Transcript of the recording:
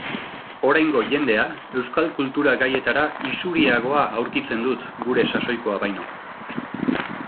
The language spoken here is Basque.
Oraingo jendea euskal kultura gaietara isuriagoa aurkitzen dut gure sasoikoa baino.